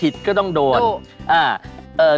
จ๊ะต้องโดนลงโทษ